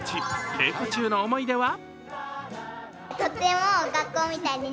稽古中の思い出は？